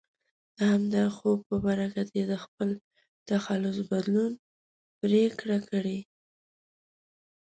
د همدغه خوب په برکت یې د خپل تخلص بدلون پرېکړه کړې.